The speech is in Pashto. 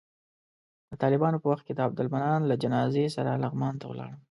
د طالبانو په وخت کې د عبدالمنان له جنازې سره لغمان ته ولاړم.